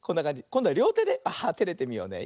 こんどはりょうてでテレてみようね。